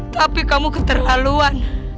tapi kamu keterlaluan